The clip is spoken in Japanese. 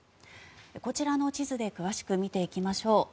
こちらの地図で詳しく見ていきましょう。